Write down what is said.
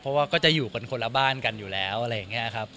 เพราะว่าก็จะอยู่กันคนละบ้านกันอยู่แล้วอะไรอย่างนี้ครับ